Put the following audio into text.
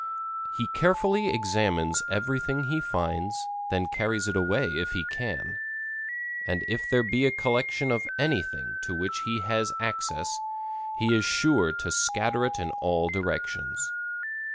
He carefully examines everything he finds, then carries it away if he can. And if there be a collection of anything to which he has access, he is sure to scatter it in all directions.